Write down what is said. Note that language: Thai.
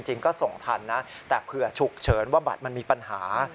จริงก็ส่งทันนะแต่เผื่อฉุกเฉินว่าบัตรมันมีปัญหา